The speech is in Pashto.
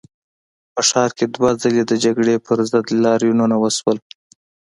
په ښار کې دوه ځلي د جګړې پر ضد لاریونونه وشول.